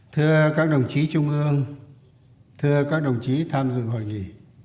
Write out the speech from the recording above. thưa các đồng chí trung ương thưa các đồng chí tham dự hội nghị